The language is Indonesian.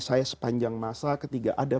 saya sepanjang masa ketika ada